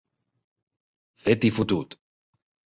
Fet i fotut.